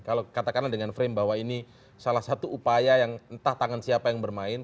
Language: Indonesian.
kalau katakanlah dengan frame bahwa ini salah satu upaya yang entah tangan siapa yang bermain